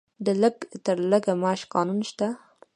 د لږ تر لږه معاش قانون شته؟